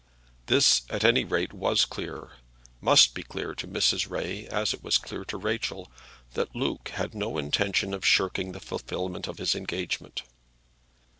This, at any rate, was clear, must be clear to Mrs. Ray as it was clear to Rachel, that Luke had no intention of shirking the fulfilment of his engagement.